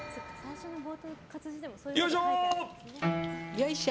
よいしょ！